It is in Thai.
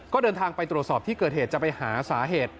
ก็เดินทางไปตรวจสอบที่เกิดเหตุจะไปหาสาเหตุ